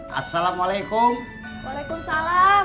hai assalamualaikum waalaikumsalam